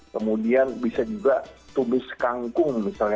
kemudian bisa juga tubis kangkung misalnya